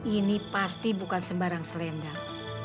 ini pasti bukan sembarang selendang